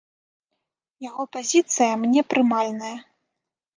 Яго пазіцыя мне прымальная.